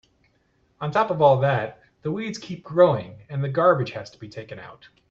On top of all that, the weeds keep growing and the garbage has to be taken out.